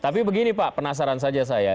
tapi begini pak penasaran saja saya